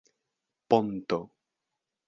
ponto